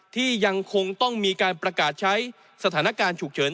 ที่ยังคงต้องมีการประกาศใช้สถานการณ์ฉุกเฉิน